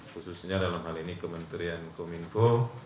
khususnya dalam hal ini kementerian kominfo